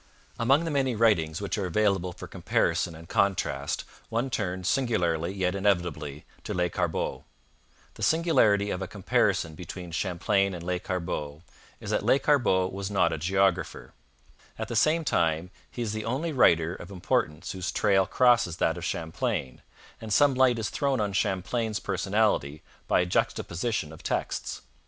Among the many writings which are available for comparison and contrast one turns, singularly yet inevitably, to Lescarbot. The singularity of a comparison between Champlain and Lescarbot is that Lescarbot was not a geographer. At the same time, he is the only writer of importance whose trail crosses that of Champlain, and some light is thrown on Champlain's personality by a juxtaposition of texts.